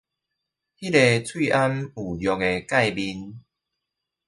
那個口罩預約的介面